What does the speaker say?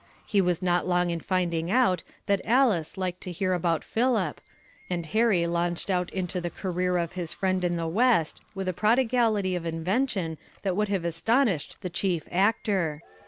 He was not long in finding out that Alice liked to hear about Philip, and Harry launched out into the career of his friend in the West, with a prodigality of invention that would have astonished the chief actor.